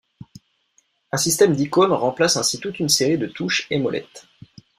Un système d'icônes remplace ainsi toute une série de touches et molettes.